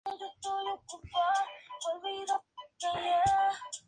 Estas distribuciones son semejantes al gráfico que acompaña estas líneas.